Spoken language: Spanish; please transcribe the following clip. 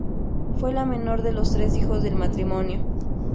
Fue la menor de los tres hijos del matrimonio.